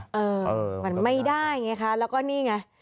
เออมันไม่ได้อย่างนี้ค่ะแล้วก็นี่ไง